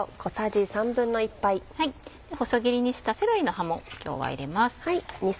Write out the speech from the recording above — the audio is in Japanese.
細切りにしたセロリの葉も今日は入れます。